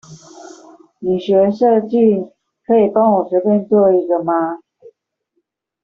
你學設計，可以幫我隨便做一個嗎？